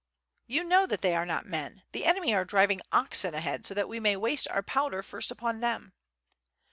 "You know that they are not men; the enemy are driving oxen ahead so that we may waste our powder first upon them."